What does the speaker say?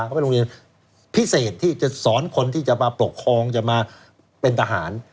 เขาเป็นโรงเรียนพิเศษที่จะสอนคนที่จะมาปกครองจะมาเป็นทหาร